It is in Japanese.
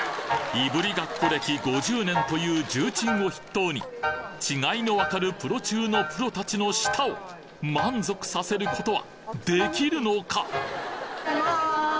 いぶりがっこ歴５０年という重鎮を筆頭に違いのわかるプロ中のプロたちの舌を満足させることはできるのか！？